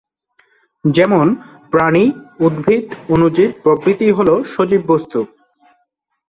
যেমন-প্রাণী, উদ্ভিদ, অণুজীব প্রভৃতি হলো সজীব বস্তু।